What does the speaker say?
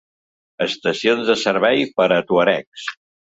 Estacions de servei per a tuaregs.